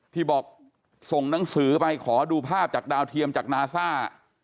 ที่บอกส่งหนังสือไปขอดูภาพจากดาวเทียมจากนาซ่า